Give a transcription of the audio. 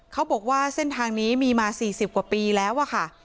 เขาบอกว่าเส้นทางนี้มีมา๔๐กว่าปีแล้วอะค่ะ